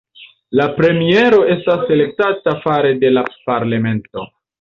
La premiero estas elektata fare de la parlamento.